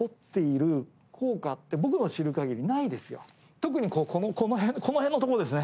特にこの辺のとこですね。